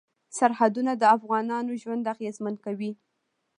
سرحدونه د افغانانو ژوند اغېزمن کوي.